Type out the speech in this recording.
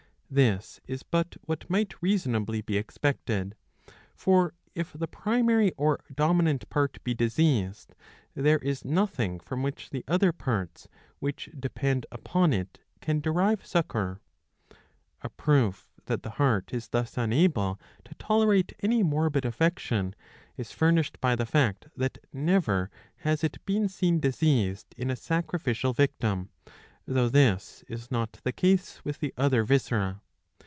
^''' This is but what might reasonably be expected. For, if the primary or dominant part be diseased, there is nothing from which the other parts which depend upon it can derive succour. A proof, that the heart is thus unable to tolerate any morbid affection, is furnished by the fact that never has it been seen diseased in a sacrificial victim, though this is not the case with the other viscera.